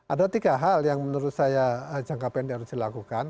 ada tiga hal yang menurut saya jangka pendek harus dilakukan